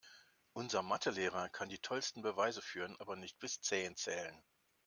Unser Mathe-Lehrer kann die tollsten Beweise führen, aber nicht bis zehn zählen.